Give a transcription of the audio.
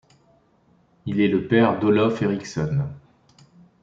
Il est le père de Olof Eriksson.